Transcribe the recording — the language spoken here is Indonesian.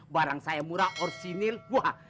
barang saya murah orsinil buah